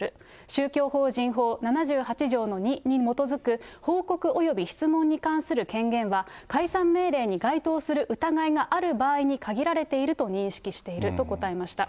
宗教法人法７８条の２に基づく、報告及び質問に関する権限は、解散命令に該当する疑いがある場合に限られていると認識していると答えました。